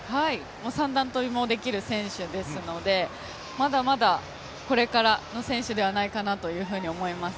三段跳びもできる選手ですのでまだまだこれからの選手ではないかと思います。